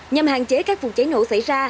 nhằm hạn chế các vụ cháy nổ xảy ra